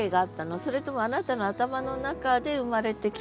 それともあなたの頭の中で生まれてきた。